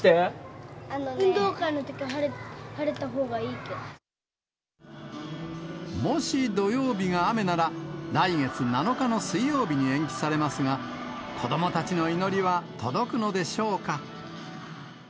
運動会のとき、もし土曜日が雨なら、来月７日の水曜日に延期されますが、子どもたちの祈りは届くのでしょうか。